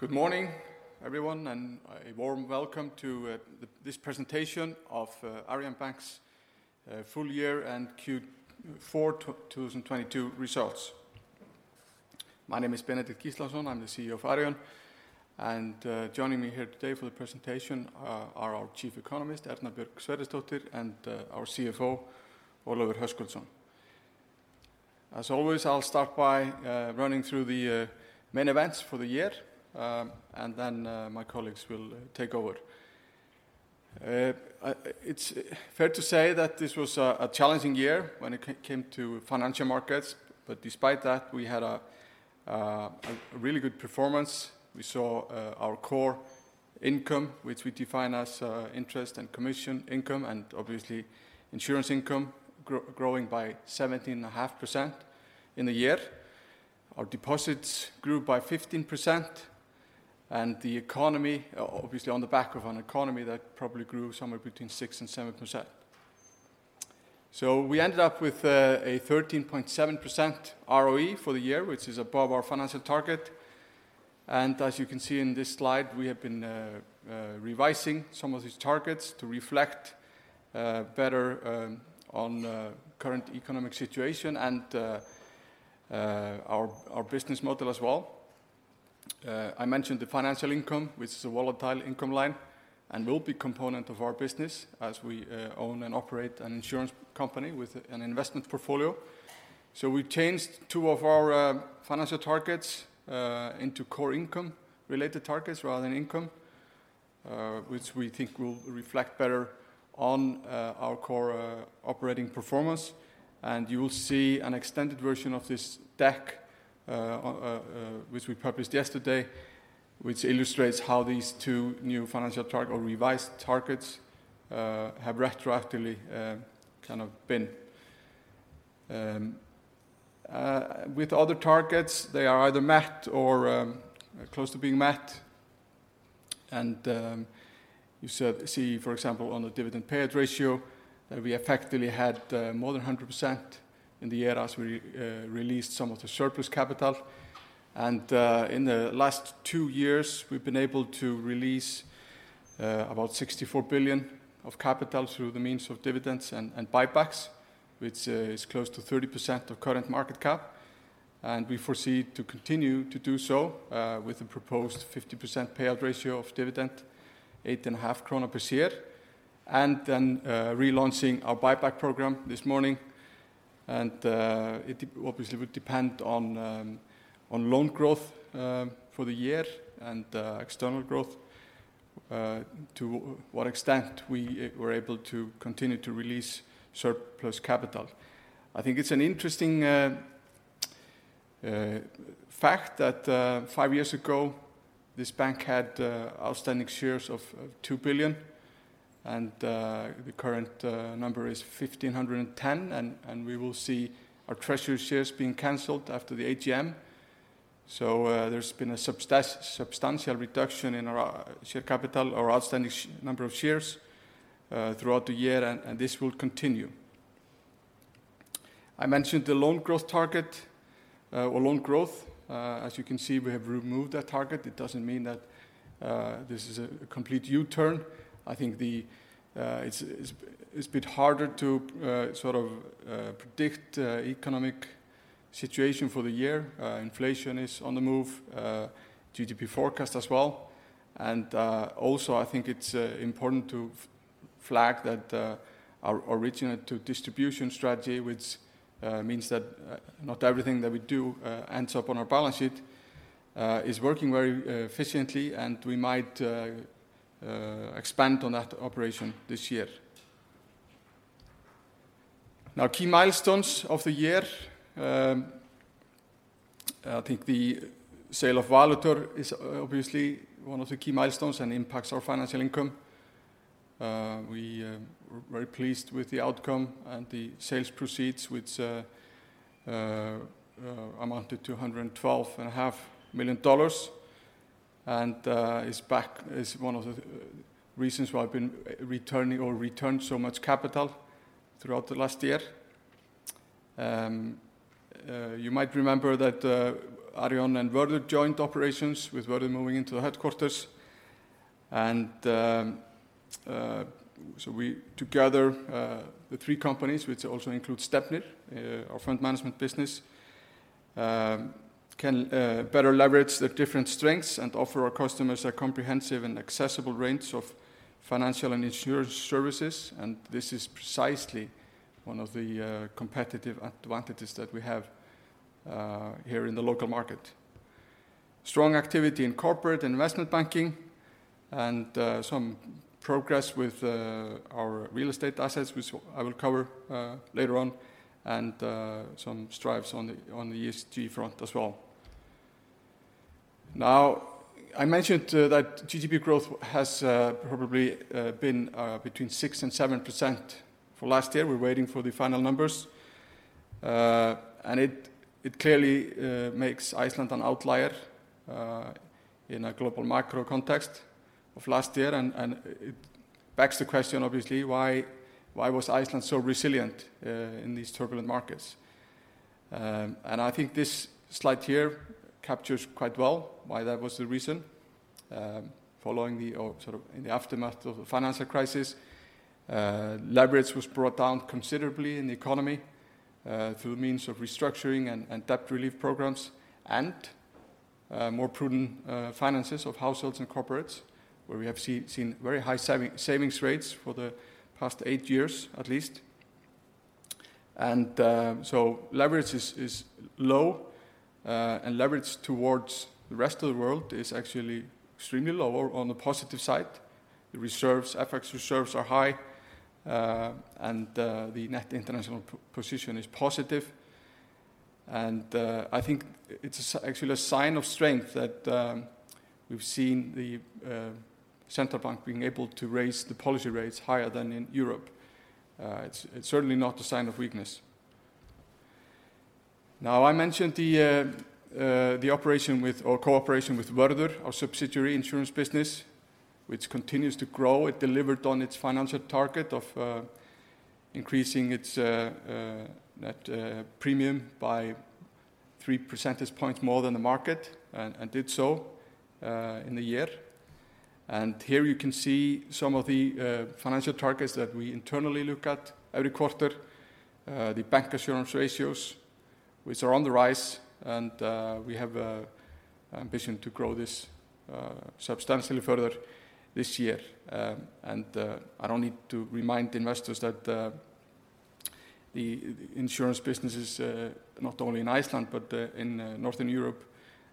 Good morning, everyone, and a warm welcome to this presentation of Arion Bank's full year and Q4 2022 results. My name is Benedikt Gíslason. I'm the CEO of Arion, and joining me here today for the presentation are our Chief Economist, Erna Björk Sverrisdóttir, and our CFO, Ólafur Höskuldsson. As always, I'll start by running through the main events for the year, and then my colleagues will take over. It's fair to say that this was a challenging year when it came to financial markets. Despite that, we had a really good performance. We saw our core income, which we define as interest and commission income and obviously insurance income growing by 17.5% in the year. Our deposits grew by 15%. The economy, obviously on the back of an economy that probably grew somewhere between 6% and 7%. We ended up with a 13.7% ROE for the year, which is above our financial target. As you can see in this slide, we have been revising some of these targets to reflect better on current economic situation and our business model as well. I mentioned the financial income, which is a volatile income line and will be component of our business as we own and operate an insurance company with an investment portfolio. We changed two of our financial targets into core income related targets rather than income, which we think will reflect better on our core operating performance. You will see an extended version of this deck, which we published yesterday, which illustrates how these two new financial target or revised targets have retroactively kind of been. With other targets, they are either met or close to being met, and you see, for example, on the dividend payout ratio that we effectively had more than 100% in the year as we re-released some of the surplus capital. In the last two years, we've been able to release about $64 billion of capital through the means of dividends and buybacks, which is close to 30% of current market cap. We foresee to continue to do so with the proposed 50% payout ratio of dividend, 8.5 krona per share, and then relaunching our buyback program this morning. It obviously would depend on loan growth for the year and external growth to what extent we were able to continue to release surplus capital. I think it's an interesting fact that 5 years ago this bank had outstanding shares of $2 billion, and the current number is 1,510 and we will see our treasury shares being canceled after the AGM. There's been a substantial reduction in our share capital, our outstanding number of shares throughout the year and this will continue. I mentioned the loan growth target or loan growth. As you can see, we have removed that target. It doesn't mean that this is a complete U-turn. I think it's a bit harder to sort of predict economic situation for the year. Inflation is on the move, GDP forecast as well. Also I think it's important to flag that our originate to distribution strategy, which means that not everything that we do ends up on our balance sheet, is working very efficiently and we might expand on that operation this year. Now, key milestones of the year. I think the sale of Valitor is obviously one of the key milestones and impacts our financial income. We were very pleased with the outcome and the sales proceeds which amounted to $112.5 million and is back, is one of the reasons why I've been returning or returned so much capital throughout the last year. You might remember that Arion and Vörður joined operations with Vörður moving into the headquarters and so we together, the three companies, which also include Stefnir, our fund management business, can better leverage the different strengths and offer our customers a comprehensive and accessible range of financial and insurance services, and this is precisely one of the competitive advantages that we have here in the local market. Strong activity in corporate investment banking and some progress with our real estate assets, which I will cover later on, and some strides on the ESG front as well. I mentioned that GDP growth has probably been between 6% and 7% for last year. We're waiting for the final numbers. It clearly makes Iceland an outlier in a global macro context of last year and it begs the question obviously why was Iceland so resilient in these turbulent markets? I think this slide here captures quite well why that was the reason. Following in the aftermath of the financial crisis, leverage was brought down considerably in the economy, through the means of restructuring and debt relief programs and more prudent finances of households and corporates where we have seen very high savings rates for the past eight years at least. Leverage is low, and leverage towards the rest of the world is actually extremely lower on the positive side. The reserves, FX reserves are high, and the net international position is positive. I think it's actually a sign of strength that we've seen the Central Bank being able to raise the policy rates higher than in Europe. It's certainly not a sign of weakness. Now I mentioned the operation with or cooperation with Vörður, our subsidiary insurance business, which continues to grow. It delivered on its financial target of increasing its net premium by 3 percentage points more than the market and did so in the year. Here you can see some of the financial targets that we internally look at every quarter. The bancassurance ratios, which are on the rise, and we have ambition to grow this substantially further this year. I don't need to remind investors that the insurance businesses, not only in Iceland, but in Northern Europe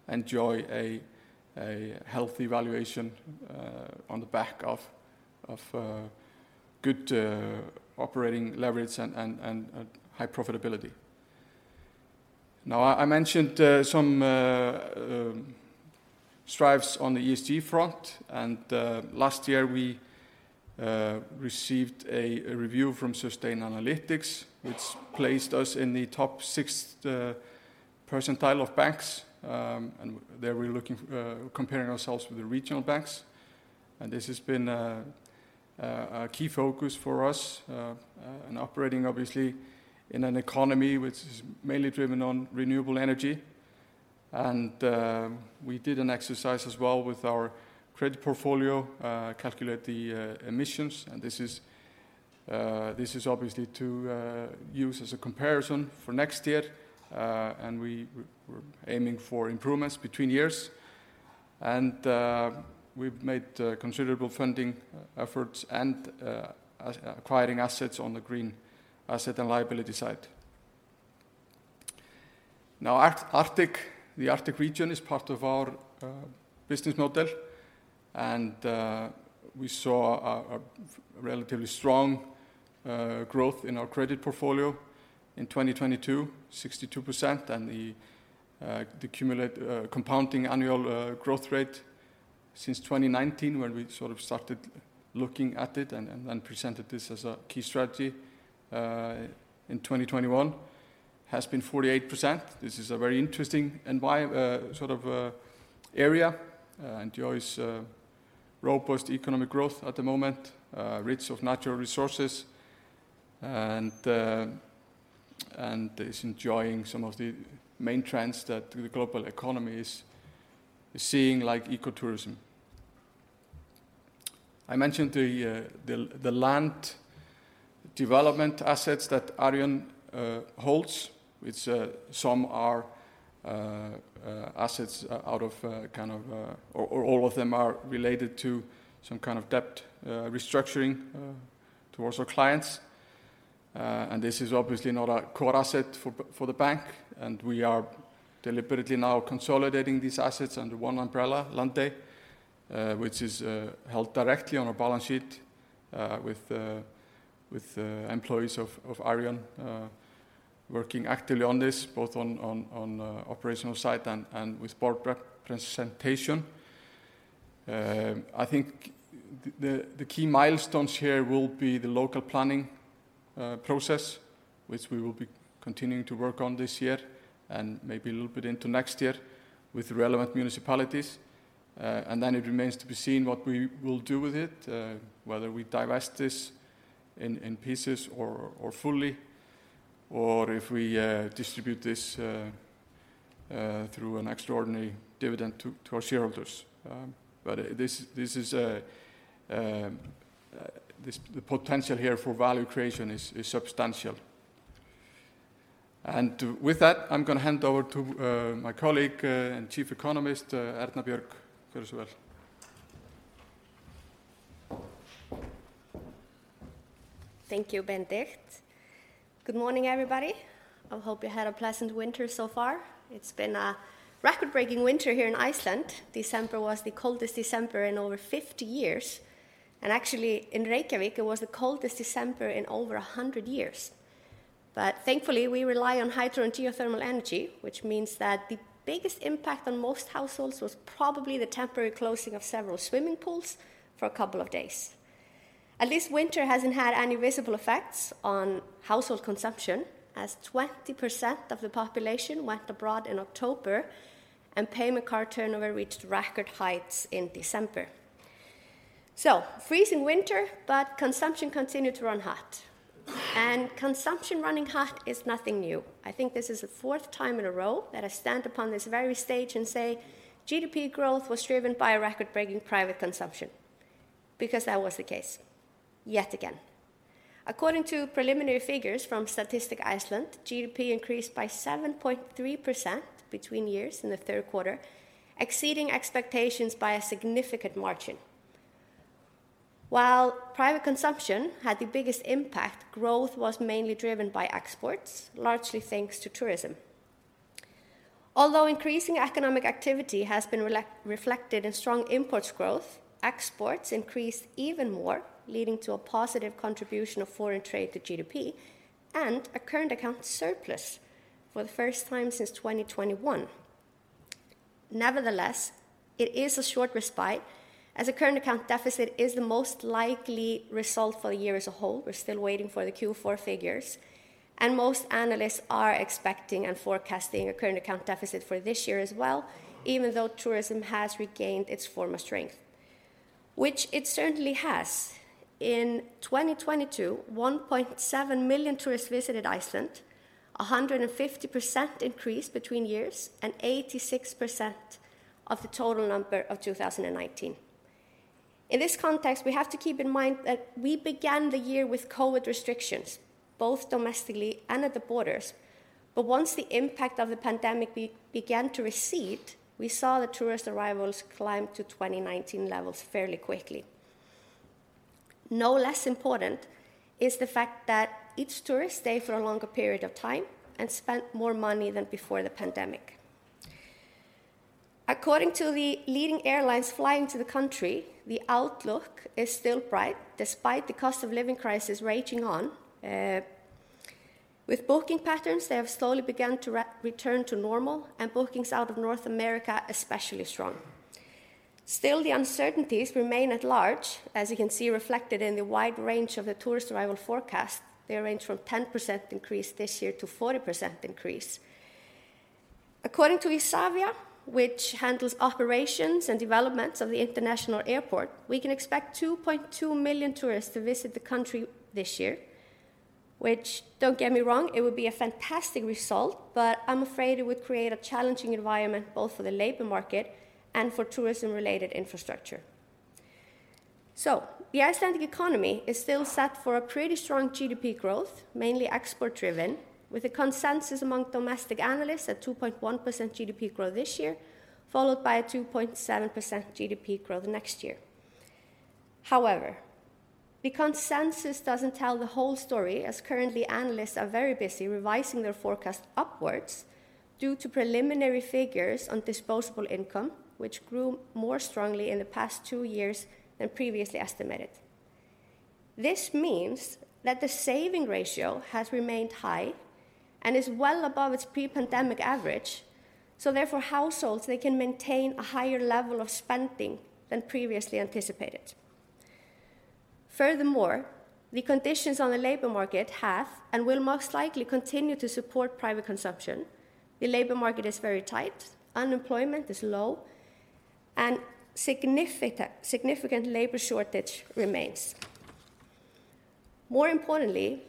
enjoy a healthy valuation on the back of good operating leverage and high profitability. Now, I mentioned some strives on the ESG front. Last year we received a review from Sustainalytics, which placed us in the top sixth percentile of banks. There we're looking comparing ourselves with the regional banks, and this has been a key focus for us and operating obviously in an economy which is mainly driven on renewable energy. We did an exercise as well with our credit portfolio, calculate the emissions, and this is obviously to use as a comparison for next year. We're aiming for improvements between years. We've made considerable funding efforts and acquiring assets on the green asset and liability side. Now, Arctic, the Arctic region is part of our business model, and we saw a relatively strong growth in our credit portfolio in 2022, 62%. The compounding annual growth rate since 2019 when we sort of started looking at it and then presented this as a key strategy in 2021, has been 48%. This is a very interesting and sort of area enjoys robust economic growth at the moment, rich of natural resources, and is enjoying some of the main trends that the global economy is seeing, like ecotourism. I mentioned the land development assets that Arion holds, which some are assets out of kind of. All of them are related to some kind of debt restructuring towards our clients. This is obviously not a core asset for the bank, and we are deliberately now consolidating these assets under one umbrella, Landey, which is held directly on our balance sheet with employees of Arion working actively on this, both on operational side and with board presentation. I think the key milestones here will be the local planning process, which we will be continuing to work on this year and maybe a little bit into next year with relevant municipalities. Then it remains to be seen what we will do with it, whether we divest this in pieces or fully, or if we distribute this through an extraordinary dividend to our shareholders. This, the potential here for value creation is substantial. With that, I'm gonna hand over to my colleague, and chief economist, Erna Björg. Gjörðu svo vel. Thank you, Benedikt. Good morning, everybody. I hope you had a pleasant winter so far. It's been a record-breaking winter here in Iceland. December was the coldest December in over 50 years. Actually, in Reykjavik, it was the coldest December in over 100 years. Thankfully, we rely on hydro and geothermal energy, which means that the biggest impact on most households was probably the temporary closing of several swimming pools for a couple of days. At least winter hasn't had any visible effects on household consumption, as 20% of the population went abroad in October. Payment card turnover reached record heights in December. Freezing winter. Consumption continued to run hot. Consumption running hot is nothing new. I think this is the fourth time in a row that I stand upon this very stage and say, "GDP growth was driven by a record-breaking private consumption," because that was the case yet again. According to preliminary figures from Statistics Iceland, GDP increased by 7.3% between years in the third quarter, exceeding expectations by a significant margin. Private consumption had the biggest impact, growth was mainly driven by exports, largely thanks to tourism. Increasing economic activity has been reflected in strong imports growth, exports increased even more, leading to a positive contribution of foreign trade to GDP and a current account surplus for the first time since 2021. It is a short respite, as a current account deficit is the most likely result for the year as a whole. We're still waiting for the Q4 figures. Most analysts are expecting and forecasting a current account deficit for this year as well, even though tourism has regained its former strength, which it certainly has. In 2022, 1.7 million tourists visited Iceland, a 150% increase between years and 86% of the total number of 2019. In this context, we have to keep in mind that we began the year with COVID restrictions, both domestically and at the borders. Once the impact of the pandemic began to recede, we saw the tourist arrivals climb to 2019 levels fairly quickly. No less important is the fact that each tourist stayed for a longer period of time and spent more money than before the pandemic. According to the leading airlines flying to the country, the outlook is still bright despite the cost of living crisis raging on. With booking patterns, they have slowly begun to return to normal. Bookings out of North America especially strong. The uncertainties remain at large, as you can see reflected in the wide range of the tourist arrival forecast. They range from 10% increase this year to 40% increase. According to Isavia, which handles operations and developments of the international airport, we can expect 2.2 million tourists to visit the country this year, which, don't get me wrong, it would be a fantastic result. I'm afraid it would create a challenging environment both for the labor market and for tourism-related infrastructure. The Icelandic economy is still set for a pretty strong GDP growth, mainly export-driven, with a consensus among domestic analysts at 2.1% GDP growth this year, followed by a 2.7% GDP growth next year. However, the consensus doesn't tell the whole story, as currently analysts are very busy revising their forecast upwards due to preliminary figures on disposable income, which grew more strongly in the past 2 years than previously estimated. This means that the saving ratio has remained high and is well above its pre-pandemic average. Therefore, households, they can maintain a higher level of spending than previously anticipated. Furthermore, the conditions on the labor market have, and will most likely continue to support private consumption. The labor market is very tight, unemployment is low, and significant labor shortage remains. More importantly,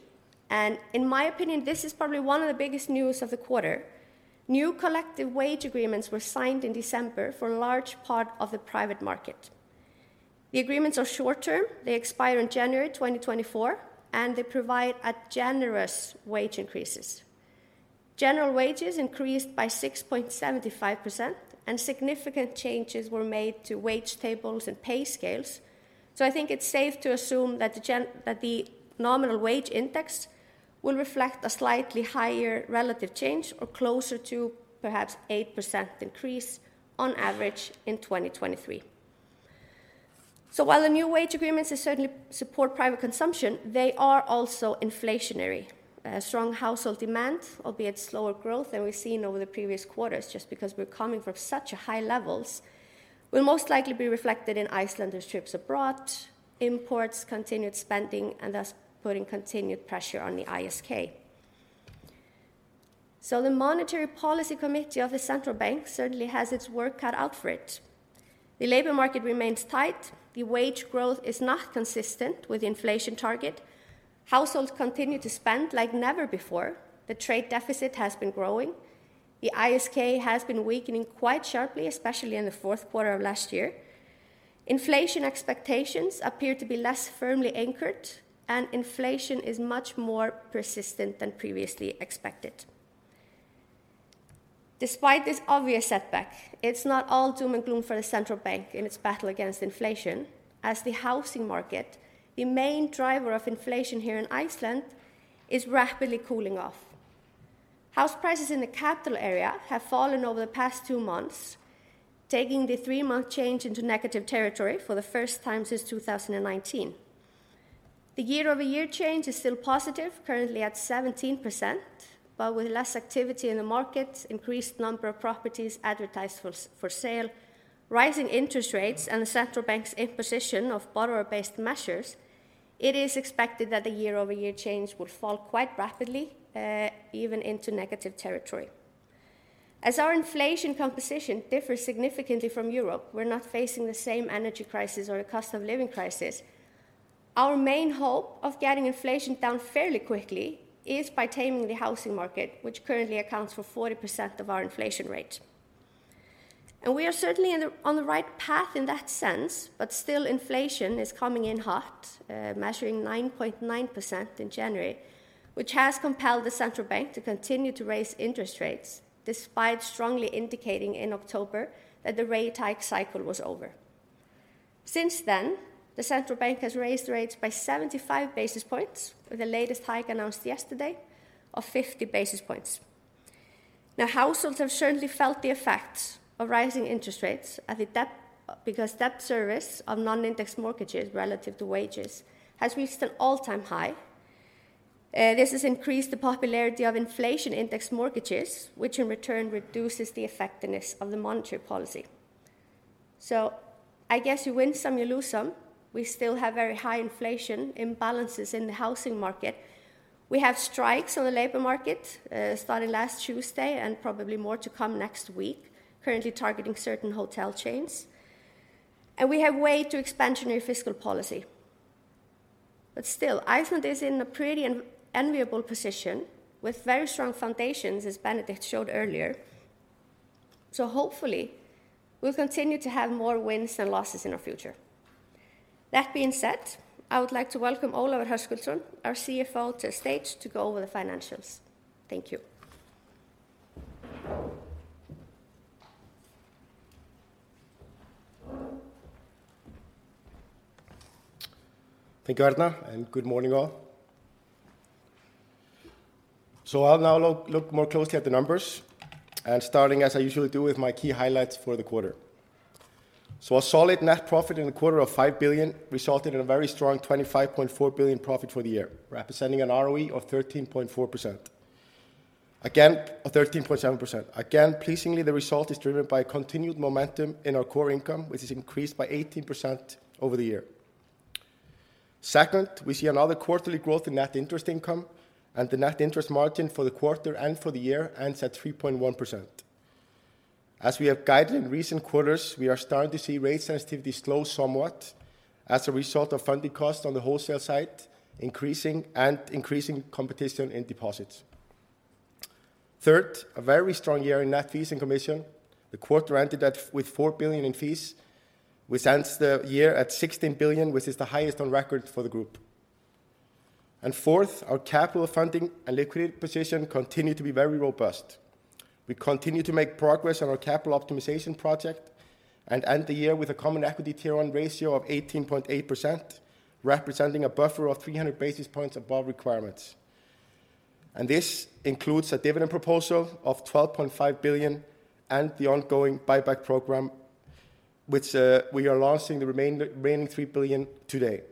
in my opinion, this is probably one of the biggest news of the quarter, new collective wage agreements were signed in December for a large part of the private market. The agreements are short-term, they expire in January 2024, and they provide generous wage increases. General wages increased by 6.75%, and significant changes were made to wage tables and pay scales, I think it's safe to assume that the nominal wage index will reflect a slightly higher relative change or closer to perhaps 8% increase on average in 2023. While the new wage agreements certainly support private consumption, they are also inflationary. Strong household demand, albeit slower growth than we've seen over the previous quarters, just because we're coming from such a high levels, will most likely be reflected in Icelander's trips abroad, imports, continued spending, and thus putting continued pressure on the ISK. The Monetary Policy Committee of the Central Bank certainly has its work cut out for it. The labor market remains tight, the wage growth is not consistent with the inflation target, households continue to spend like never before, the trade deficit has been growing, the ISK has been weakening quite sharply, especially in the fourth quarter of last year, inflation expectations appear to be less firmly anchored, and inflation is much more persistent than previously expected. Despite this obvious setback, it's not all doom and gloom for the Central Bank in its battle against inflation, as the housing market, the main driver of inflation here in Iceland, is rapidly cooling off. House prices in the capital area have fallen over the past 2 months, taking the 3 month change into negative territory for the first time since 2019. The year-over-year change is still positive, currently at 17%, but with less activity in the markets, increased number of properties advertised for sale, rising interest rates, and the Central Bank's imposition of borrower-based measures, it is expected that the year-over-year change will fall quite rapidly, even into negative territory. Our inflation composition differs significantly from Europe, we're not facing the same energy crisis or a cost of living crisis. Our main hope of getting inflation down fairly quickly is by taming the housing market, which currently accounts for 40% of our inflation rate. We are certainly on the right path in that sense, but still inflation is coming in hot, measuring 9.9% in January, which has compelled the Central Bank to continue to raise interest rates despite strongly indicating in October that the rate hike cycle was over. Since then, the Central Bank has raised rates by 75 basis points, with the latest hike announced yesterday of 50 basis points. Now, households have certainly felt the effects of rising interest rates at the debt, because debt service of non-indexed mortgages relative to wages has reached an all-time high. This has increased the popularity of inflation-indexed mortgages, which in return reduces the effectiveness of the monetary policy. I guess you win some, you lose some. We still have very high inflation imbalances in the housing market. We have strikes on the labor market, starting last Tuesday and probably more to come next week, currently targeting certain hotel chains. We have way to expansionary fiscal policy. Still, Iceland is in a pretty enviable position with very strong foundations, as Benedikt showed earlier. Hopefully, we'll continue to have more wins than losses in our future. That being said, I would like to welcome Ólafur Höskuldsson, our CFO, to the stage to go over the financials. Thank you. Thank you, Erna, and good morning, all. I'll now look more closely at the numbers and starting as I usually do with my key highlights for the quarter. A solid net profit in the quarter of 5 billion resulted in a very strong 25.4 billion profit for the year, representing an ROE of 13.4%. Or 13.7%. Again, pleasingly, the result is driven by continued momentum in our core income, which has increased by 18% over the year. Second, we see another quarterly growth in net interest income, and the net interest margin for the quarter and for the year ends at 3.1%. As we have guided in recent quarters, we are starting to see rate sensitivity slow somewhat as a result of funding costs on the wholesale side increasing and increasing competition in deposits. Third, a very strong year in net fees and commission. The quarter ended with $4 billion in fees, which ends the year at $16 billion, which is the highest on record for the group. Fourth, our capital funding and liquidity position continue to be very robust. We continue to make progress on our capital optimization project and end the year with a Common Equity Tier 1 ratio of 18.8%, representing a buffer of 300 basis points above requirements. This includes a dividend proposal of $12.5 billion and the ongoing buyback program, which we are launching the remaining $3 billion today.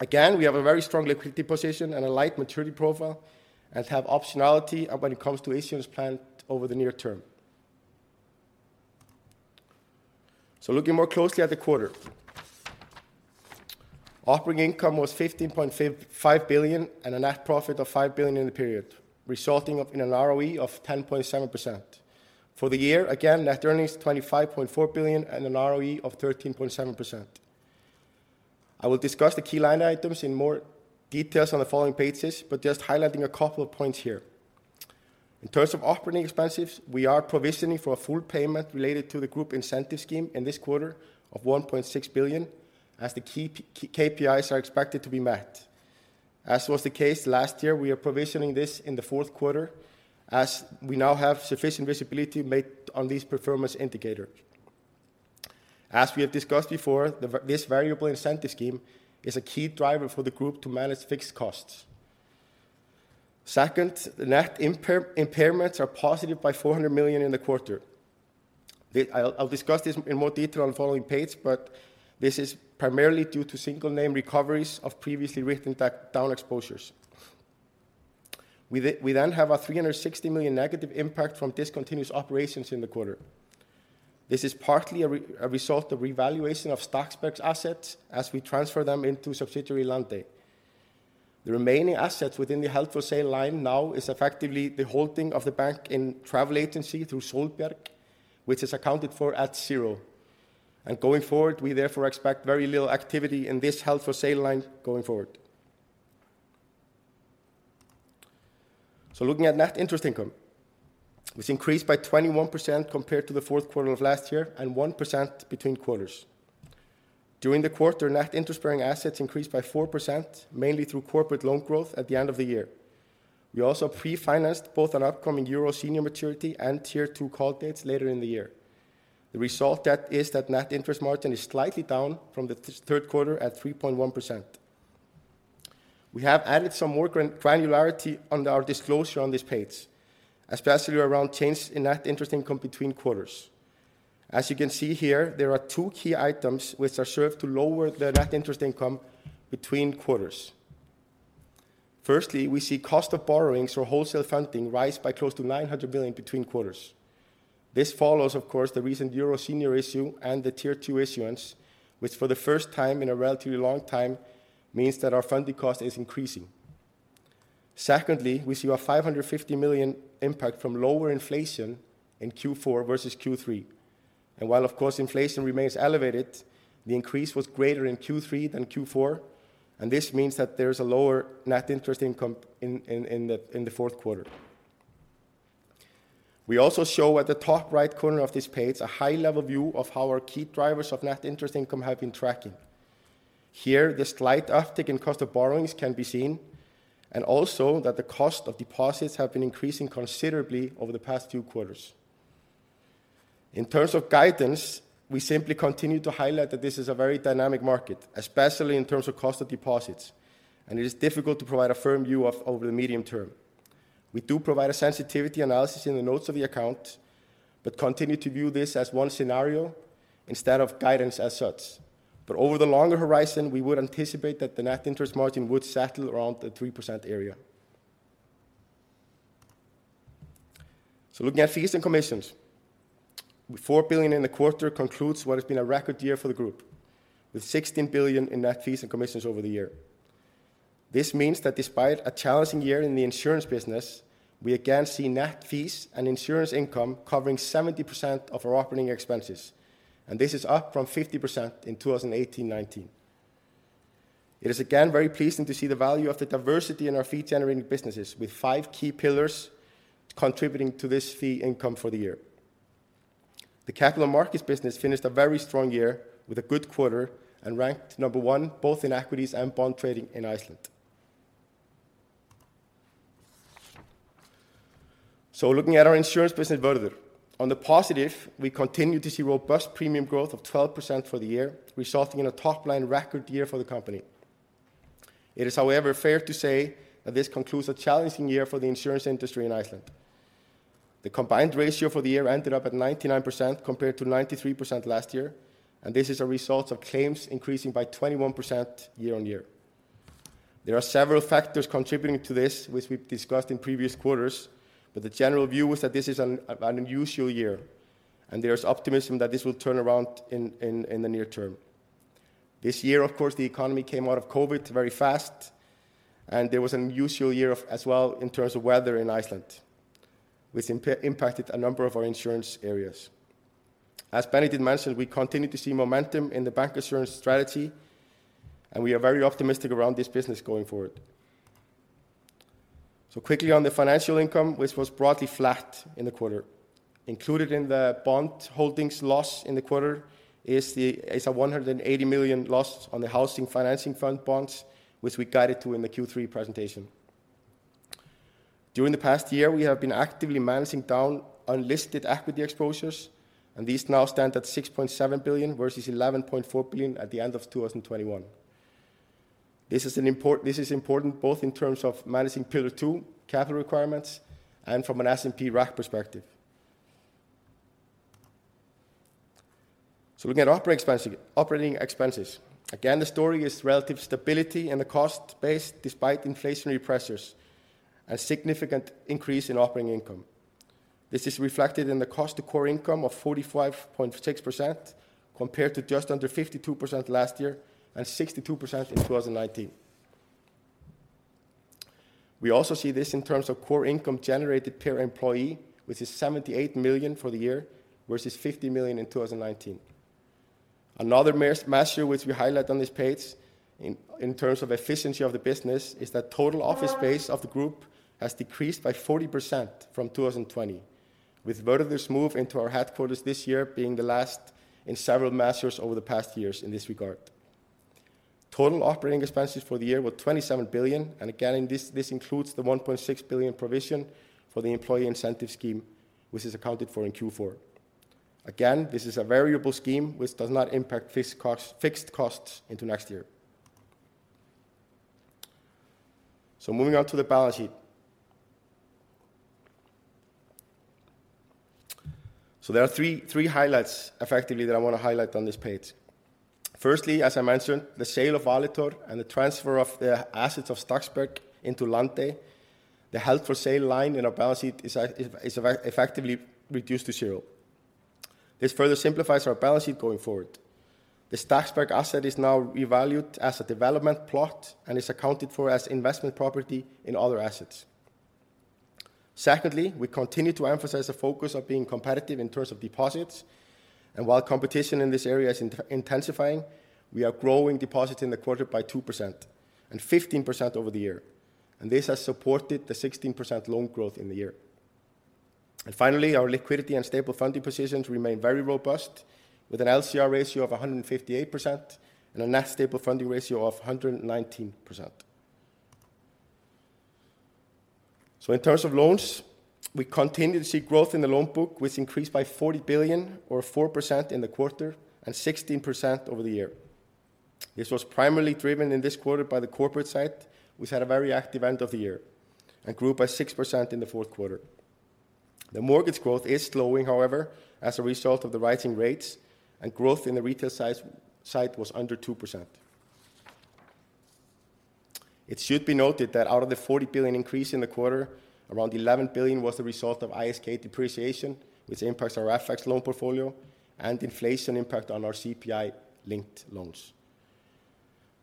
Again, we have a very strong liquidity position and a light maturity profile and have optionality when it comes to issues planned over the near term. Looking more closely at the quarter. Operating income was 15.5 billion and a net profit of 5 billion in the period, resulting in an ROE of 10.7%. For the year, again, net earnings 25.4 billion and an ROE of 13.7%. I will discuss the key line items in more details on the following pages, just highlighting a couple of points here. In terms of operating expenses, we are provisioning for a full payment related to the group incentive scheme in this quarter of 1.6 billion as the key KPIs are expected to be met. As was the case last year, we are provisioning this in the fourth quarter as we now have sufficient visibility made on these performance indicators. As we have discussed before, this variable incentive scheme is a key driver for the group to manage fixed costs. Second, net impairments are positive by $400 million in the quarter. I'll discuss this in more detail on the following page, but this is primarily due to single name recoveries of previously written back down exposures. We then have a $360 million negative impact from discontinued operations in the quarter. This is partly a result of revaluation of Stakksberg's assets as we transfer them into subsidiary Landey. The remaining assets within the held for sale line now is effectively the holding of the bank in travel agency through Sólbjarg, which is accounted for at zero. Going forward, we therefore expect very little activity in this held for sale line going forward. Looking at net interest income, which increased by 21% compared to the fourth quarter of last year and 1% between quarters. During the quarter, net interest bearing assets increased by 4%, mainly through corporate loan growth at the end of the year. We also pre-financed both an upcoming EUR senior maturity and Tier 2 call dates later in the year. The result is that net interest margin is slightly down from the third quarter at 3.1%. We have added some more granularity on our disclosure on this page, especially around changes in net interest income between quarters. As you can see here, there are two key items which are served to lower the net interest income between quarters. Firstly, we see cost of borrowings for wholesale funding rise by close to 900 billion between quarters. This follows, of course, the recent EUR senior issue and the Tier 2 issuance, which for the first time in a relatively long time means that our funding cost is increasing. We see an 550 million impact from lower inflation in Q4 versus Q3. While of course inflation remains elevated, the increase was greater in Q3 than Q4, and this means that there is a lower net interest income in the fourth quarter. We also show at the top right corner of this page a high level view of how our key drivers of net interest income have been tracking. Here, the slight uptick in cost of borrowings can be seen, and also that the cost of deposits have been increasing considerably over the past two quarters. In terms of guidance, we simply continue to highlight that this is a very dynamic market, especially in terms of cost of deposits, and it is difficult to provide a firm view of over the medium term. We do provide a sensitivity analysis in the notes of the account, continue to view this as one scenario instead of guidance as such. Over the longer horizon, we would anticipate that the net interest margin would settle around the 3% area. Looking at fees and commissions. With 4 billion in the quarter concludes what has been a record year for the group, with 16 billion in net fees and commissions over the year. This means that despite a challenging year in the insurance business, we again see net fees and insurance income covering 70% of our operating expenses. This is up from 50% in 2018, 2019. It is again very pleasing to see the value of the diversity in our fee generating businesses, with five key pillars contributing to this fee income for the year. The capital markets business finished a very strong year with a good quarter and ranked number one both in equities and bond trading in Iceland. Looking at our insurance business further. On the positive, we continue to see robust premium growth of 12% for the year, resulting in a top-line record year for the company. It is, however, fair to say that this concludes a challenging year for the insurance industry in Iceland. The combined ratio for the year ended up at 99% compared to 93% last year, and this is a result of claims increasing by 21% year-on-year. There are several factors contributing to this which we've discussed in previous quarters, but the general view is that this is an unusual year and there is optimism that this will turn around in the near term. This year, of course, the economy came out of COVID very fast and it was an unusual year as well in terms of weather in Iceland, which impacted a number of our insurance areas. As Benedikt mentioned, we continue to see momentum in the bancassurance strategy, we are very optimistic around this business going forward. Quickly on the financial income, which was broadly flat in the quarter. Included in the bond holdings loss in the quarter is a 180 million loss on the Housing Financing Fund bonds, which we guided to in the Q3 presentation. During the past year, we have been actively managing down unlisted equity exposures, these now stand at 6.7 billion versus 11.4 billion at the end of 2021. This is important both in terms of managing Pillar 2 capital requirements and from an S&P RAC perspective. Looking at operating expenses. Again, the story is relative stability in the cost base despite inflationary pressures and significant increase in operating income. This is reflected in the cost to core income of 45.6% compared to just under 52% last year and 62% in 2019. We also see this in terms of core income generated per employee, which is 78 million for the year versus 50 million in 2019. Another measure which we highlight on this page in terms of efficiency of the business is that total office space of the group has decreased by 40% from 2020, with Vörður's move into our headquarters this year being the last in several measures over the past years in this regard. Total operating expenses for the year were 27 billion and again, this includes the 1.6 billion provision for the employee incentive scheme, which is accounted for in Q4. Again, this is a variable scheme which does not impact fixed costs into next year. Moving on to the balance sheet. There are three highlights effectively that I want to highlight on this page. Firstly, as I mentioned, the sale of Valitor and the transfer of the assets of Stakksberg into Landey. The held for sale line in our balance sheet is effectively reduced to 0. This further simplifies our balance sheet going forward. The Stakksberg asset is now revalued as a development plot and is accounted for as investment property in other assets. Secondly, we continue to emphasize a focus on being competitive in terms of deposits. While competition in this area is intensifying, we are growing deposits in the quarter by 2% and 15% over the year. This has supported the 16% loan growth in the year. Finally, our liquidity and stable funding positions remain very robust with an LCR ratio of 158% and a Net Stable Funding Ratio of 119%. In terms of loans, we continue to see growth in the loan book, which increased by 40 billion or 4% in the quarter and 16% over the year. This was primarily driven in this quarter by the corporate side, which had a very active end of the year and grew by 6% in the fourth quarter. The mortgage growth is slowing, however, as a result of the rising rates and growth in the retail side was under 2%. It should be noted that out of the 40 billion increase in the quarter, around 11 billion was the result of ISK depreciation, which impacts our FX loan portfolio and inflation impact on our CPI-linked loans.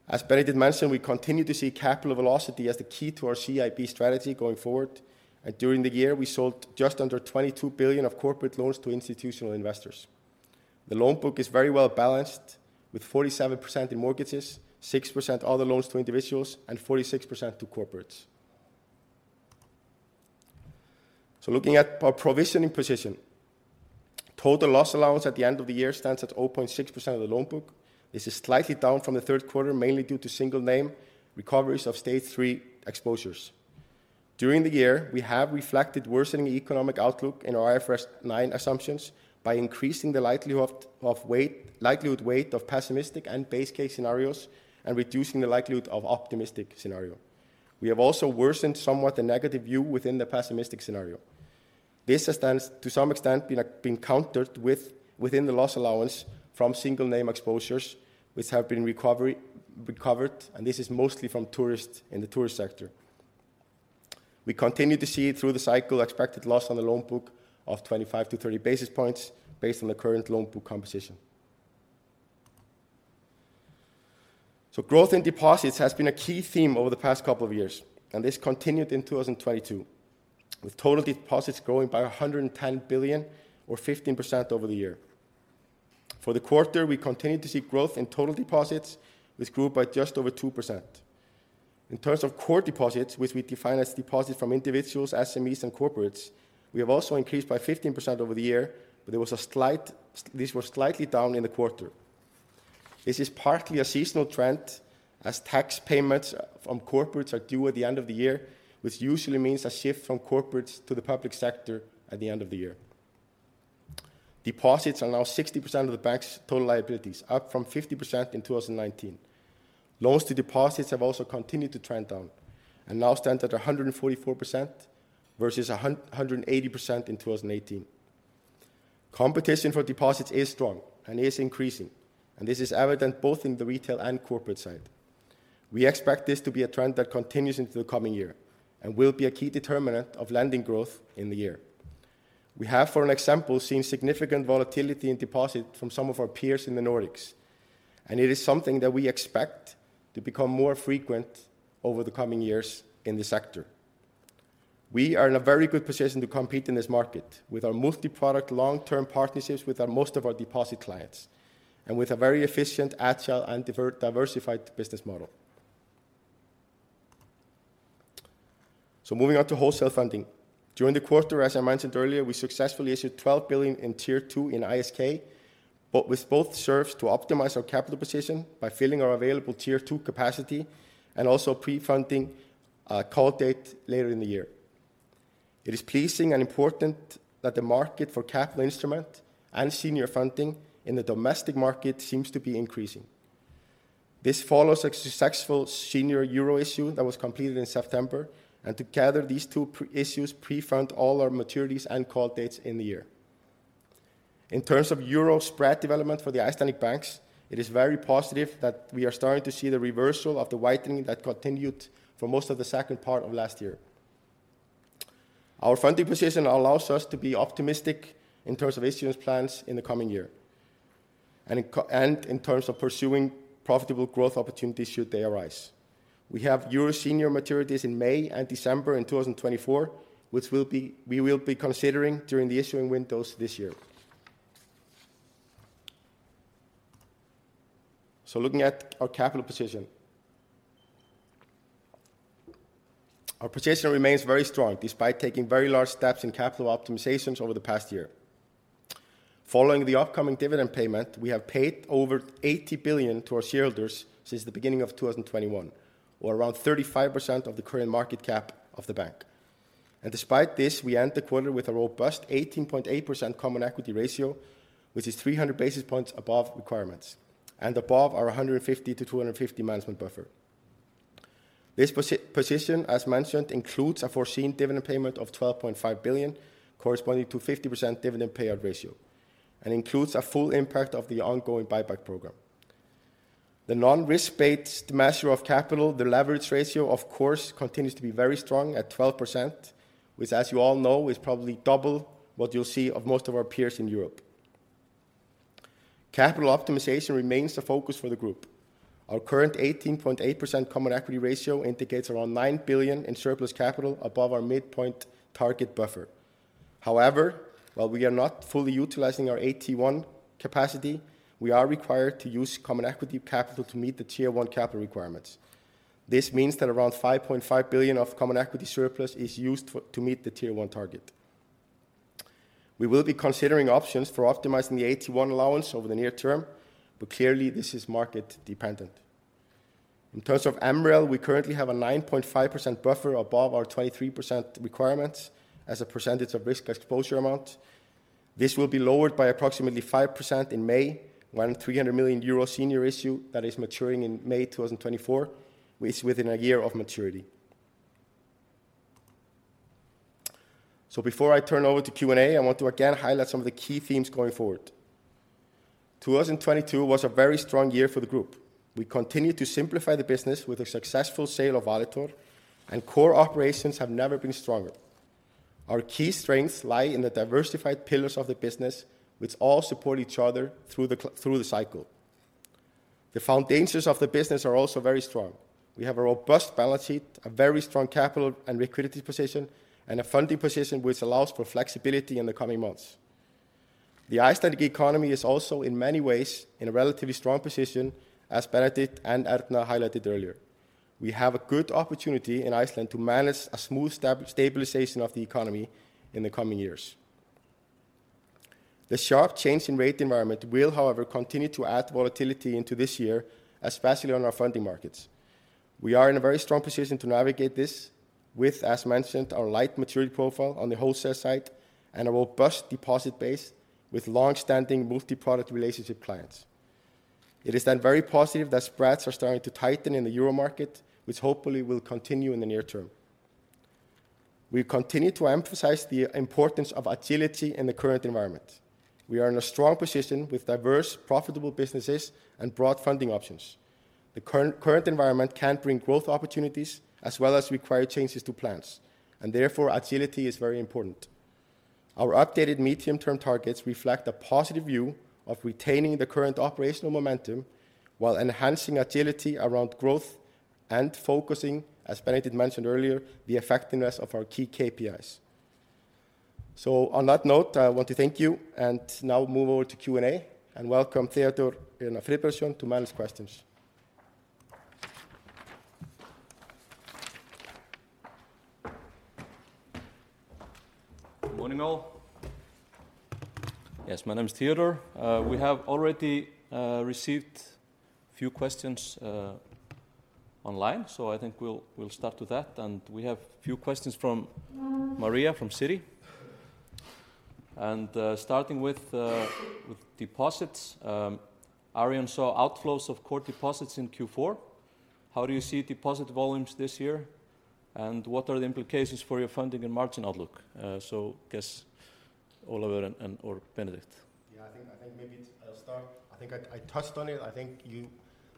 As Benedikt mention, we continue to see capital velocity as the key to our CIP strategy going forward. During the year, we sold just under 22 billion of corporate loans to institutional investors. The loan book is very well balanced, with 47% in mortgages, 6% other loans to individuals, and 46% to corporates. Looking at our provisioning position. Total loss allowance at the end of the year stands at 0.6% of the loan book. This is slightly down from the third quarter, mainly due to single name recoveries of stage three exposures. During the year, we have reflected worsening economic outlook in our IFRS 9 assumptions by increasing the likelihood weight of pessimistic and base case scenarios and reducing the likelihood of optimistic scenario. We have also worsened somewhat the negative view within the pessimistic scenario. This has stands to some extent been countered within the loss allowance from single name exposures which have been recovered, and this is mostly from tourists in the tourist sector. We continue to see through the cycle expected loss on the loan book of 25-30 basis points based on the current loan book composition. Growth in deposits has been a key theme over the past couple of years, and this continued in 2022, with total deposits growing by 110 billion or 15% over the year. For the quarter, we continued to see growth in total deposits, which grew by just over 2%. In terms of core deposits, which we define as deposits from individuals, SMEs, and corporates, we have also increased by 15% over the year, but there was a slight, these were slightly down in the quarter. This is partly a seasonal trend as tax payments from corporates are due at the end of the year, which usually means a shift from corporates to the public sector at the end of the year. Deposits are now 60% of the bank's total liabilities, up from 50% in 2019. Loans to deposits have also continued to trend down and now stands at 144% versus 180% in 2018. Competition for deposits is strong and is increasing, and this is evident both in the retail and corporate side. We expect this to be a trend that continues into the coming year and will be a key determinant of lending growth in the year. We have, for an example, seen significant volatility in deposit from some of our peers in the Nordics. It is something that we expect to become more frequent over the coming years in the sector. We are in a very good position to compete in this market with our multi-product long-term partnerships with our most of our deposit clients and with a very efficient, agile, and diversified business model. Moving on to wholesale funding. During the quarter, as I mentioned earlier, we successfully issued 12 billion in Tier 2. With both serves to optimize our capital position by filling our available Tier 2 capacity and also pre-funding a call date later in the year. It is pleasing and important that the market for capital instrument and senior funding in the domestic market seems to be increasing. This follows a successful senior EUR issue that was completed in September. Together these two issues prefund all our maturities and call dates in the year. In terms of EUR spread development for the Icelandic banks, it is very positive that we are starting to see the reversal of the widening that continued for most of the second part of last year. Our funding position allows us to be optimistic in terms of issuance plans in the coming year and in terms of pursuing profitable growth opportunities should they arise. We have EUR senior maturities in May and December in 2024, which we will be considering during the issuing windows this year. Looking at our capital position. Our position remains very strong despite taking very large steps in capital optimizations over the past year. Following the upcoming dividend payment, we have paid over 80 billion to our shareholders since the beginning of 2021 or around 35% of the current market cap of Arion Bank. Despite this, we end the quarter with a robust 18.8% Common Equity ratio, which is 300 basis points above requirements and above our 150-250 management buffer. This position, as mentioned, includes a foreseen dividend payment of 12.5 billion, corresponding to 50% dividend payout ratio, and includes a full impact of the ongoing buyback program. The non-risk-based measure of capital, the leverage ratio, of course, continues to be very strong at 12%, which, as you all know, is probably double what you'll see of most of our peers in Europe. Capital optimization remains the focus for the group. Our current 18.8% Common equity ratio indicates around 9 billion in surplus capital above our midpoint target buffer. While we are not fully utilizing our AT1 capacity, we are required to use Common equity capital to meet the Tier 1 capital requirements. This means that around 5.5 billion of Common equity surplus is used to meet the Tier 1 target. We will be considering options for optimizing the AT1 allowance over the near term, clearly this is market dependent. In terms of MREL, we currently have a 9.5% buffer above our 23% requirements as a percentage of risk exposure amount. This will be lowered by approximately 5% in May when ISK 300 million senior issue that is maturing in May 2024 is within a year of maturity. Before I turn over to Q&A, I want to again highlight some of the key themes going forward. 2022 was a very strong year for the group. We continued to simplify the business with the successful sale of Valitor, and core operations have never been stronger. Our key strengths lie in the diversified pillars of the business, which all support each other through the cycle. The foundations of the business are also very strong. We have a robust balance sheet, a very strong capital and liquidity position, and a funding position which allows for flexibility in the coming months. The Icelandic economy is also, in many ways, in a relatively strong position, as Benedikt and Erna highlighted earlier. We have a good opportunity in Iceland to manage a smooth stabilization of the economy in the coming years. The sharp change in rate environment will, however, continue to add volatility into this year, especially on our funding markets. We are in a very strong position to navigate this with, as mentioned, our light maturity profile on the wholesale side and a robust deposit base with longstanding multi-product relationship clients. It is very positive that spreads are starting to tighten in the Euro market, which hopefully will continue in the near term. We continue to emphasize the importance of agility in the current environment. We are in a strong position with diverse, profitable businesses and broad funding options. The current environment can bring growth opportunities as well as require changes to plans, and therefore agility is very important. Our updated medium-term targets reflect a positive view of retaining the current operational momentum while enhancing agility around growth and focusing, as Benedikt mentioned earlier, the effectiveness of our key KPIs. On that note, I want to thank you and now move over to Q&A and welcome Theodór Friðbertsson to manage questions. Good morning, all. Yes, my name is Theodór. We have already received a few questions online. I think we'll start with that. We have a few questions from Maria from Citi. Starting with deposits, Arion Bank saw outflows of core deposits in Q4. How do you see deposit volumes this year, and what are the implications for your funding and margin outlook? I guess Ólafur and or Benedikt. Yeah, I think maybe I'll start. I think I touched on it. I think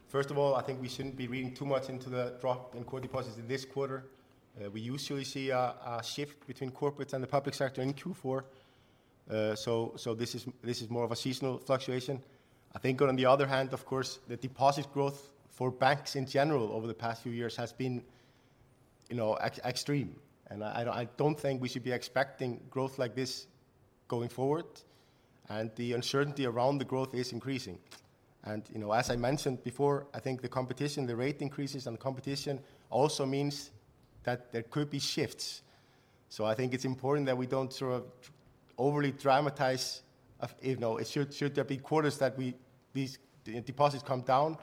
First of all, I think we shouldn't be reading too much into the drop in core deposits in this quarter. We usually see a shift between corporates and the public sector in Q4. This is more of a seasonal fluctuation. I think on the other hand, of course, the deposit growth for banks in general over the past few years has been, you know, extreme. I don't think we should be expecting growth like this going forward, and the uncertainty around the growth is increasing. You know, as I mentioned before, I think the competition, the rate increases and the competition also means that there could be shifts. I think it's important that we don't sort of overly dramatize if it should there be quarters that these deposits come down,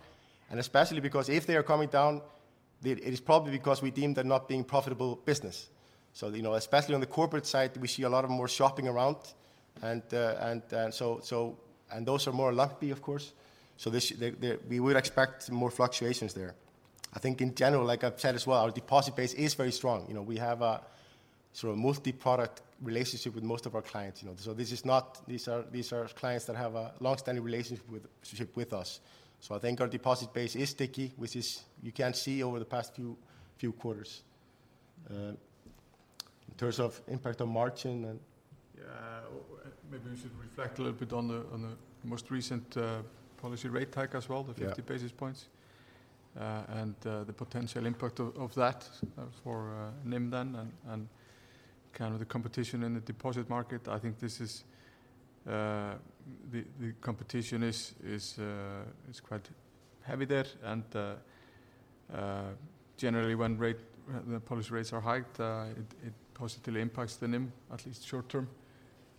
and especially because if they are coming down, then it is probably because we deem them not being profitable business. You know, especially on the corporate side, we see a lot of them more shopping around and those are more lumpy of course. This We would expect more fluctuations there. I think in general, like I've said as well, our deposit base is very strong. You know, we have a sort of multi-product relationship with most of our clients, you know. This is not These are clients that have a longstanding relationship with us. I think our deposit base is sticky, which you can see over the past few quarters. In terms of impact on margin. Yeah. maybe we should reflect a little bit on the, on the most recent, policy rate hike as well. Yeah The 50 basis points, and the potential impact of that for NIM then and kind of the competition in the deposit market. I think this is. The competition is quite heavy there and generally when the policy rates are hiked, it positively impacts the NIM, at least short term.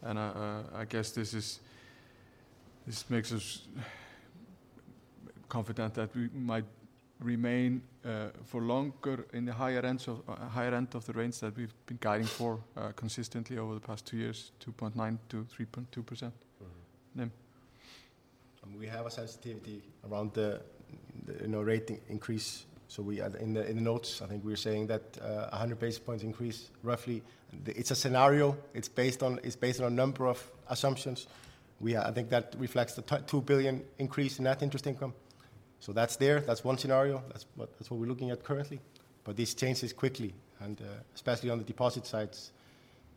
I guess this is, this makes us confident that we might remain for longer in the higher end of the range that we've been guiding for consistently over the past 2 years, 2.9%-3.2% NIM. We have a sensitivity around the, you know, rate increase. We, in the notes, I think we're saying that 100 basis points increase roughly. The. It's a scenario. It's based on a number of assumptions. We, I think that reflects the $2 billion increase in net interest income. That's there. That's one scenario. That's what we're looking at currently. This changes quickly, and especially on the deposit sides,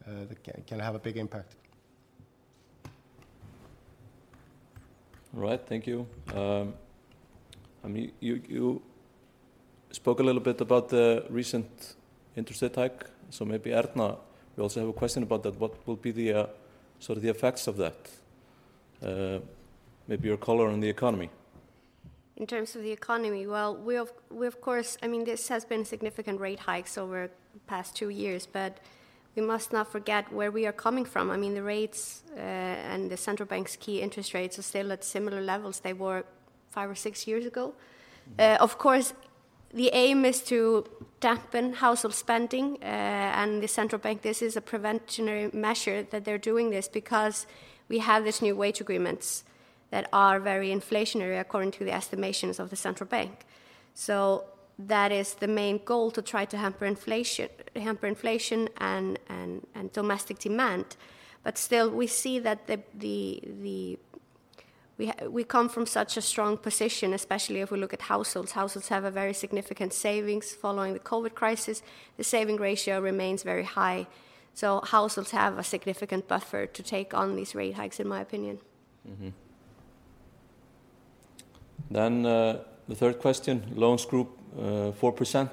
that can have a big impact. All right. Thank you. I mean, you spoke a little bit about the recent interest rate hike. Maybe Erna, we also have a question about that. What will be the sort of the effects of that? Maybe your color on the economy. In terms of the economy, we of course this has been significant rate hikes over the past 2 years, but we must not forget where we are coming from. I mean, the rates, and the Central Bank's key interest rates are still at similar levels they were 5 or 6 years ago. Of course, the aim is to dampen household spending, and the Central Bank, this is a precautionary measure that they're doing this because we have these new wage agreements that are very inflationary according to the estimations of the Central Bank. That is the main goal, to try to hamper inflation and domestic demand. Still, we see that we come from such a strong position, especially if we look at households. Households have a very significant savings following the COVID crisis. The saving ratio remains very high, so households have a significant buffer to take on these rate hikes, in my opinion. The third question, loans group, 4%,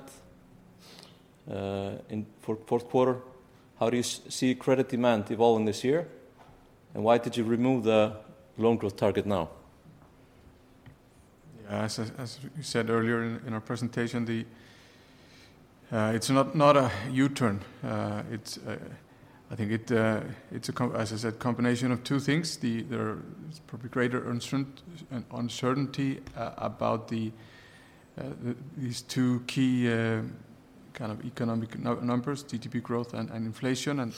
in fourth quarter. How do you see credit demand evolving this year, and why did you remove the loan growth target now? Yeah, as we said earlier in our presentation, it's not a U-turn. It's I think it's as I said, combination of two things. There is probably greater uncertainty about these two key kind of economic numbers, GDP growth and inflation.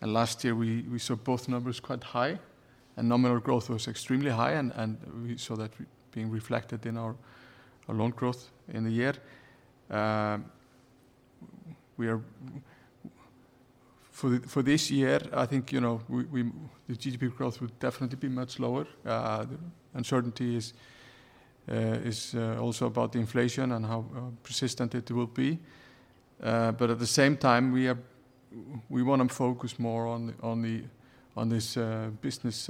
Last year we saw both numbers quite high, and nominal growth was extremely high and we saw that being reflected in our loan growth in the year. We are for this year, I think, you know, the GDP growth will definitely be much lower. The uncertainty is also about the inflation and how persistent it will be. At the same time, we are, we want to focus more on the, on this business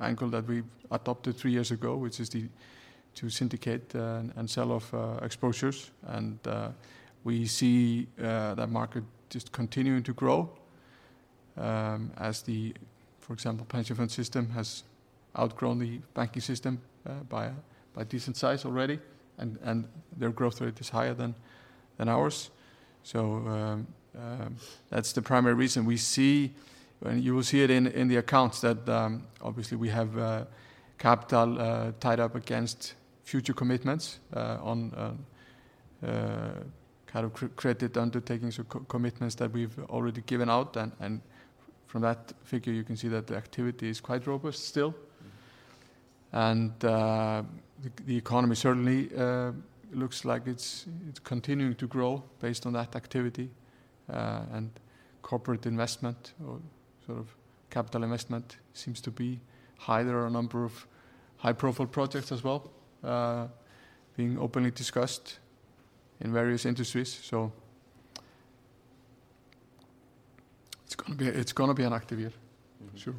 angle that we've adopted three years ago, which is to syndicate and sell off exposures. We see that market just continuing to grow as the, for example, pension fund system has outgrown the banking system by a decent size already and their growth rate is higher than ours. That's the primary reason. We see, and you will see it in the accounts, that obviously we have capital tied up against future commitments on kind of credit undertakings or commitments that we've already given out and from that figure you can see that the activity is quite robust still. The economy certainly looks like it's continuing to grow based on that activity. Corporate investment or sort of capital investment seems to be high. There are a number of high-profile projects as well, being openly discussed in various industries, it's gonna be an active year. Mm-hmm.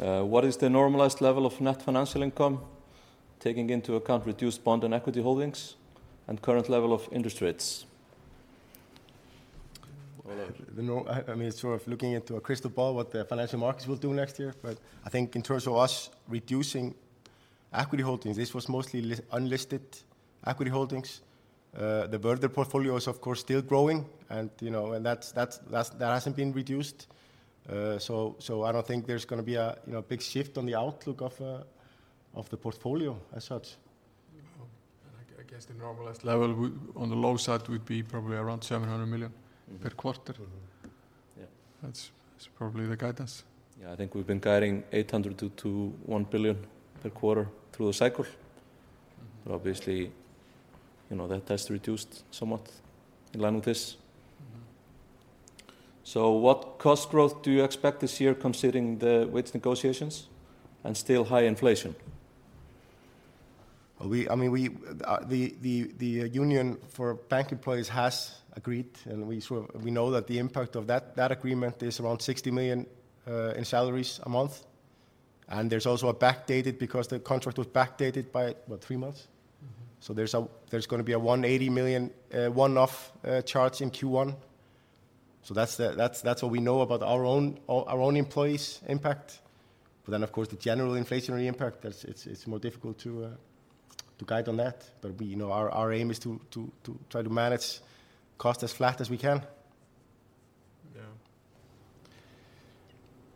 Sure. What is the normalized level of net financial income, taking into account reduced bond and equity holdings and current level of interest rates? Well, I mean, it's sort of looking into a crystal ball what the financial markets will do next year. I think in terms of us reducing equity holdings, this was mostly unlisted equity holdings. The Vörður portfolio is of course still growing and, you know, that's, that hasn't been reduced. I don't think there's gonna be a, you know, big shift on the outlook of the portfolio as such. No. I guess the normalized level on the low side would be probably around $700 million per quarter. Yeah. That's probably the guidance. Yeah, I think we've been guiding $800 million-$1 billion per quarter through the cycle. Mm-hmm. Obviously, you know, that has reduced somewhat in line with this. Mm-hmm. What cost growth do you expect this year considering the wage negotiations and still high inflation? Well, we, I mean, we, the union for bank employees has agreed, and we sort of, we know that the impact of that agreement is around 60 million in salaries a month. There's also a backdated because the contract was backdated by, what, three months? Mm-hmm. There's a, there's gonna be a $180 million one-off charge in Q1. That's what we know about our own employees' impact. Of course, the general inflationary impact, that's, it's more difficult to guide on that. We, you know, our aim is to try to manage cost as flat as we can.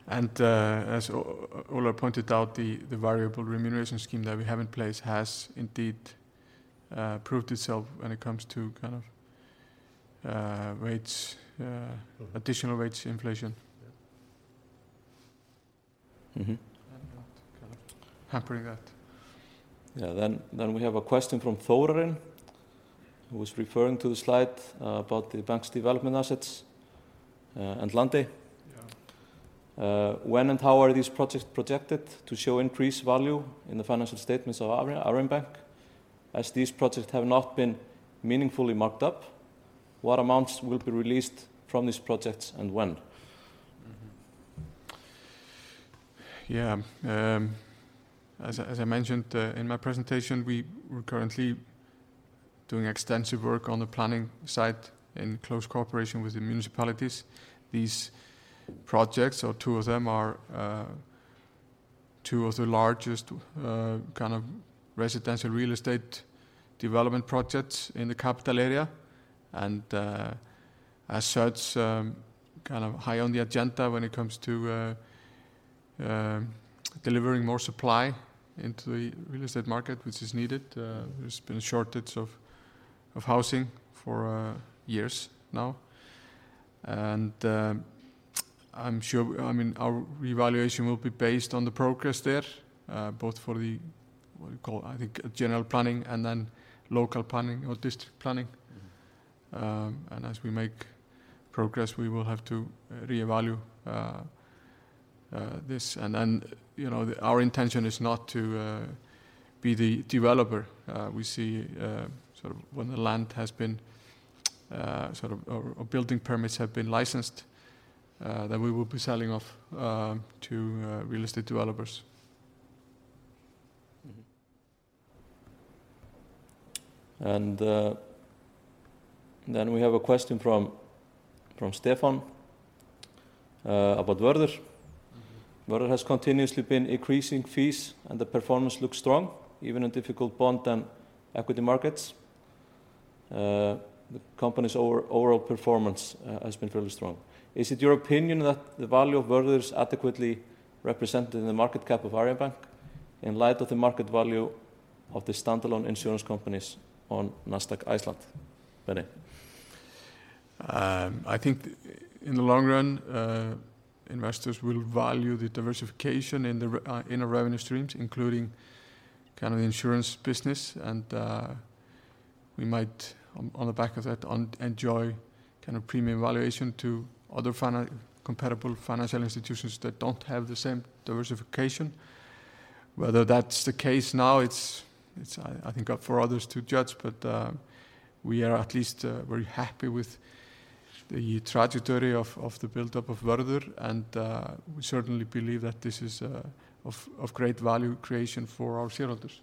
Yeah. As Ola pointed out, the variable remuneration scheme that we have in place has indeed proved itself when it comes to kind of rates- Mm-hmm additional rates inflation. Yeah. Mm-hmm. Not kind of hampering that. Yeah. Then we have a question from Þórarinn, who was referring to the slide, about the bank's development assets, and Landey. Yeah. When and how are these projects projected to show increased value in the financial statements of Arion Bank, as these projects have not been meaningfully marked up? What amounts will be released from these projects, and when? Yeah. As I mentioned in my presentation, we're currently doing extensive work on the planning side in close cooperation with the municipalities. These projects, or two of them, are two of the largest kind of residential real estate development projects in the capital area and as such, kind of high on the agenda when it comes to delivering more supply into the real estate market, which is needed. There's been a shortage of housing for years now. I'm sure, I mean, our revaluation will be based on the progress there, both for the, what do you call, I think general planning and then local planning or district planning. As we make progress, we will have to reevaluate this. You know, our intention is not to be the developer. We see, sort of when the land has been, sort of or building permits have been licensed, then we will be selling off to real estate developers. Then we have a question from Stefan about Vörður. Mm-hmm. Vörður has continuously been increasing fees and the performance looks strong even in difficult bond and equity markets. The company's overall performance has been fairly strong. Is it your opinion that the value of Vörður is adequately represented in the market cap of Arion Bank in light of the market value of the standalone insurance companies on Nasdaq Iceland? Benedikt. I think in the long run, investors will value the diversification in our revenue streams, including kind of the insurance business and, we might on the back of that enjoy kind of premium valuation to other compatible financial institutions that don't have the same diversification. Whether that's the case now, it's I think up for others to judge. We are at least very happy with the trajectory of the buildup of Vörður and, we certainly believe that this is of great value creation for our shareholders.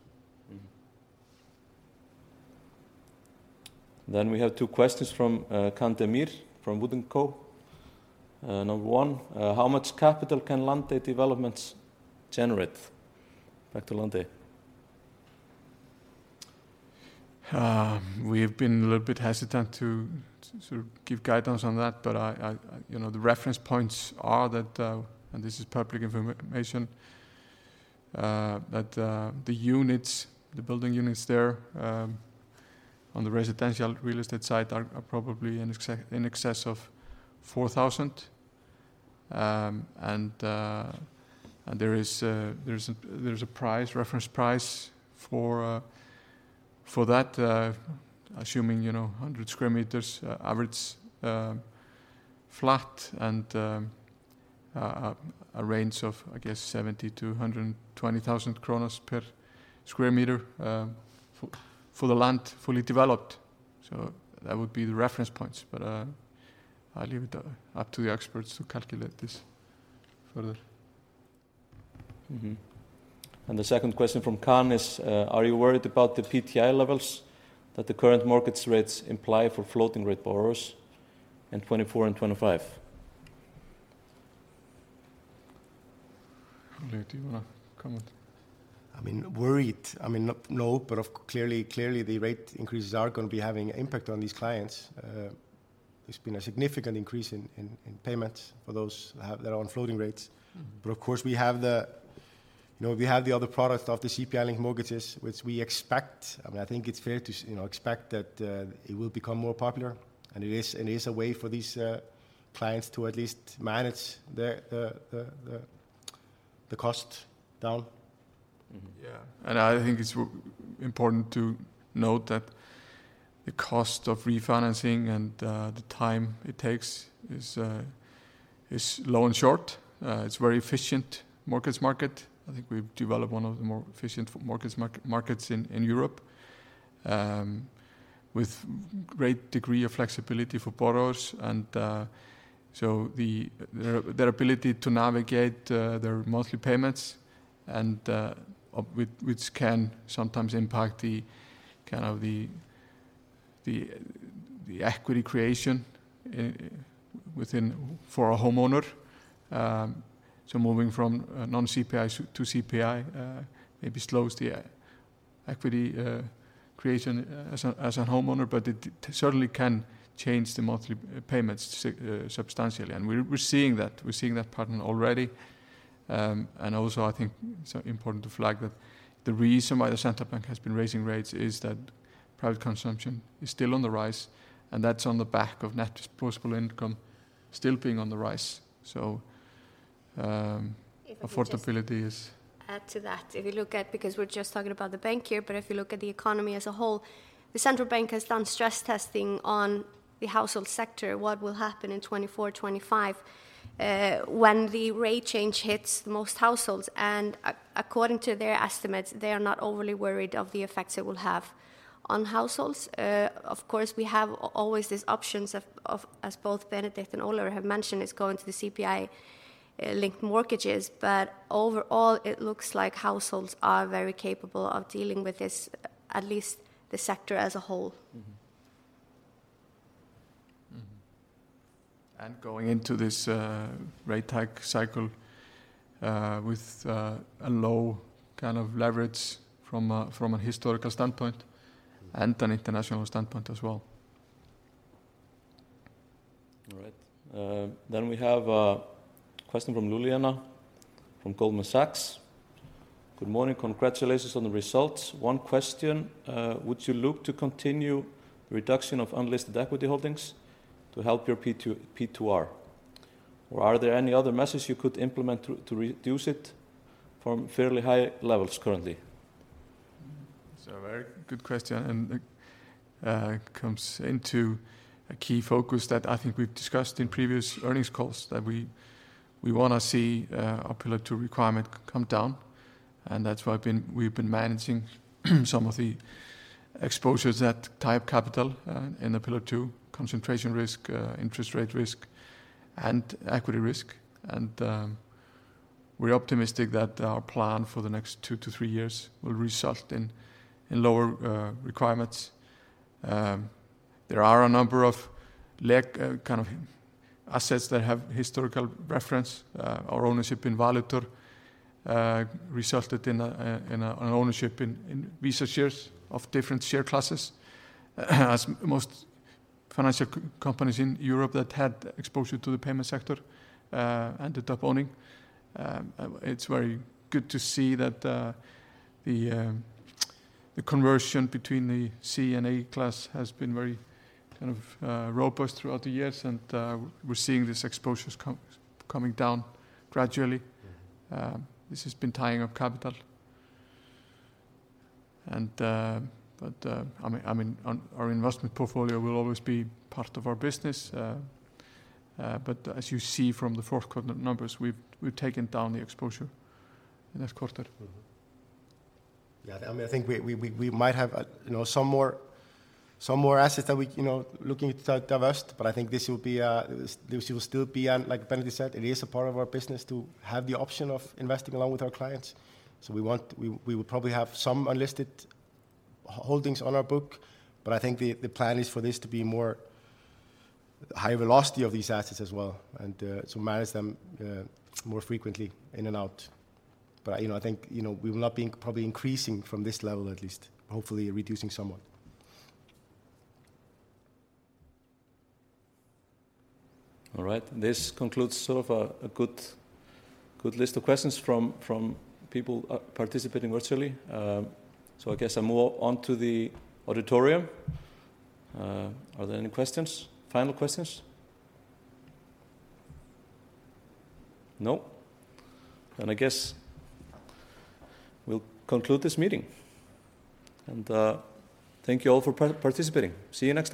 Mm-hmm. We have two questions from Can Demir from WOOD & Company. Number one, how much capital can Landey developments generate? Back to Landey. We have been a little bit hesitant to sort of give guidance on that, I, you know, the reference points are that, and this is public information, that the units, the building units there, on the residential real estate side are probably in excess of 4,000. There is a price, reference price for that, assuming, you know, 100 square meters average flat and a range of, I guess 70,000-120,000 per square meter for the land fully developed. That would be the reference points. I'll leave it up to the experts to calculate this further. Mm-hmm. The second question from Can is. Are you worried about the PTI levels that the current markets rates imply for floating rate borrowers in 2024 and 2025? Ólafur, do you wanna comment? I mean, worried, I mean, no, clearly the rate increases are gonna be having impact on these clients. There's been a significant increase in payments for those who have their own floating rates. Mm-hmm. Of course, we have the, you know, we have the other product of the CPI-linked mortgages, which we expect. I mean, I think it's fair to you know, expect that it will become more popular, and it is, it is a way for these clients to at least manage the cost down. Mm-hmm. Yeah. I think it's important to note that the cost of refinancing and the time it takes is low and short. It's very efficient markets. I think we've developed one of the more efficient markets in Europe with great degree of flexibility for borrowers. Their ability to navigate their monthly payments and which can sometimes impact the kind of the equity creation for a homeowner. Moving from a non-CPI to CPI maybe slows the equity creation as a homeowner, but it certainly can change the monthly payments substantially. We're seeing that. We're seeing that pattern already. Also I think it's important to flag that the reason why the Central Bank has been raising rates is that private consumption is still on the rise, and that's on the back of net disposable income still being on the rise. If I could just. Affordability. add to that. If you look at, because we're just talking about the bank here, but if you look at the economy as a whole, the Central Bank has done stress testing on the household sector, what will happen in 2024, 2025, when the rate change hits most households. According to their estimates, they are not overly worried of the effects it will have on households. Of course, we have always these options of, as both Benedikt and Ola have mentioned, is going to the CPI-linked mortgages. Overall, it looks like households are very capable of dealing with this, at least the sector as a whole. Mm-hmm. Mm-hmm. going into this rate hike cycle with a low kind of leverage from a historical standpoint- Mm-hmm And an international standpoint as well. All right. We have a question from Luliana from Goldman Sachs. Good morning. Congratulations on the results. One question, would you look to continue the reduction of unlisted equity holdings to help your P2, P2R, or are there any other measures you could implement to reduce it from fairly high levels currently? It's a very good question, and comes into a key focus that I think we've discussed in previous earnings calls that we wanna see our Pillar 2 requirement come down, and that's why we've been managing some of the exposures that tie up capital in the Pillar 2 concentration risk, interest rate risk and equity risk. We're optimistic that our plan for the next two to three years will result in lower requirements. There are a number of kind of assets that have historical reference. Our ownership in Valitor resulted in an ownership in Visa shares of different share classes as most financial companies in Europe that had exposure to the payment sector ended up owning. It's very good to see that the conversion between the C and A class has been very kind of robust throughout the years and we're seeing these exposures coming down gradually. This has been tying up capital and our investment portfolio will always be part of our business. As you see from the fourth quarter numbers, we've taken down the exposure in this quarter. Mm-hmm. Yeah. I mean, I think we might have, you know, some more, some more assets that we, you know, looking to divest, but I think this will be, this will still be, like Benedikt said, it is a part of our business to have the option of investing along with our clients. We will probably have some unlisted holdings on our book, but I think the plan is for this to be more high velocity of these assets as well and, so manage them more frequently in and out. You know, I think, you know, we will not be probably increasing from this level at least. Hopefully reducing somewhat. All right. This concludes sort of a good list of questions from people participating virtually. I guess I move on to the auditorium. Are there any questions? Final questions? No. I guess we'll conclude this meeting. Thank you all for participating. See you next time.